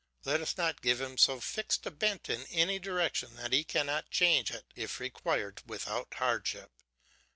Let us not give him so fixed a bent in any direction that he cannot change it if required without hardship.